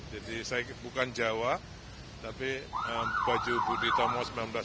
jadi saya bukan jawa tapi baju budi utomo seribu sembilan ratus delapan